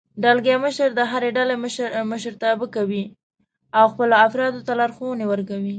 دلګی مشر د هرې ډلې مشرتابه کوي او خپلو افرادو ته لارښوونې ورکوي.